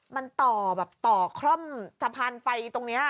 มันต่อคล่อมสัมพันธุ์ไฟตรงนี้